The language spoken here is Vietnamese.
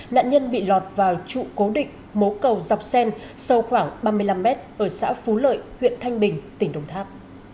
nạn nhân bị lọt vào trụ cố định mố cầu dọc xen sâu khoảng ba mươi năm mét ở xã phú lợi huyện thanh bình tỉnh đồng tháp